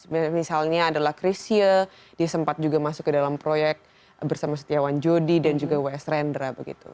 misalnya adalah christie dia sempat juga masuk ke dalam proyek bersama setiawan jodi dan juga ws rendra begitu